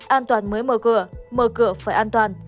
an toàn mới mở cửa mở cửa phải an toàn